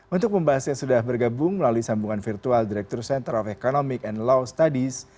untuk pembahasnya sudah bergabung melalui sambungan virtual direktur center of economic and law studies